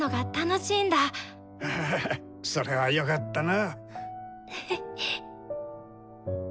ハハハそれはよかったな。